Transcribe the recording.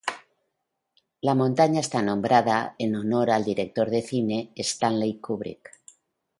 La montaña está nombrada en honor al director de cine Stanley Kubrick.